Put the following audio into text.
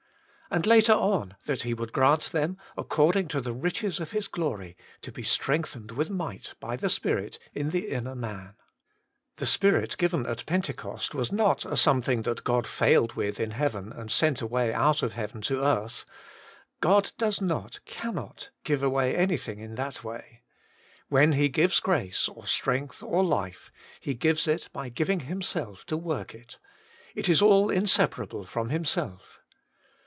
And later on, that He would grant them, according to the riches of His glory, to be strengthened with might by the Spirit in the inner man. The Spirit given at Pentecost was not a something that God failed with in heaven, and sent away out of heaven to earth. God does not, cannot, give away anything in that way. When He gives grace, or strength, or life, H^ gives it by giving Himself to work it — it i? all inseparable from Himself.